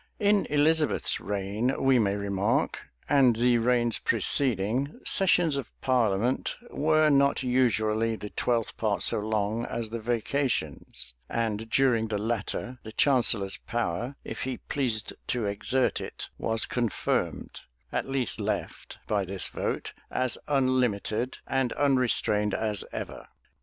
In Elizabeth's reign, we may remark, and the reigns preceding, sessions of parliament were not usually the twelfth part so long as the vacations; and during the latter, the chancellor's power, if he pleased to exert it, was confirmed, at least left, by this vote, as unlimited and unrestrained as ever.